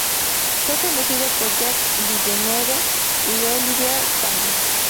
Fue conducido por Jacques Villeneuve y Olivier Panis.